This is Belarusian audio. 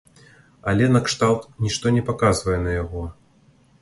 Але накшталт нішто не паказвае на яго?